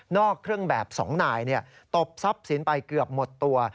เครื่องแบบ๒นายตบทรัพย์สินไปเกือบหมดตัว